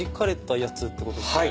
はい。